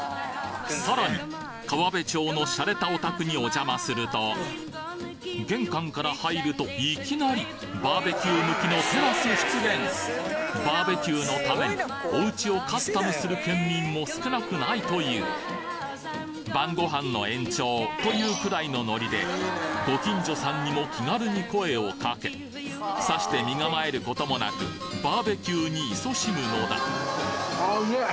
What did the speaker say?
さらに川辺町のシャレたお宅にお邪魔すると玄関から入るといきなりバーベキュー向きのテラス出現バーベキューのためにお家をカスタムする県民も少なくないという晩御飯の延長というくらいのノリでご近所さんにも気軽に声をかけさして身構えることもなくバーベキューにいそしむのだあうめぇ。